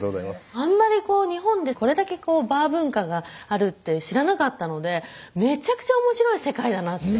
あんまりこう日本でこれだけバー文化があるって知らなかったのでめちゃくちゃ面白い世界だなって。